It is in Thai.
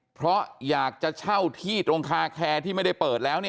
เพราะอยากจะเช่าที่ตรงคาแคร์ที่ไม่ได้เปิดแล้ว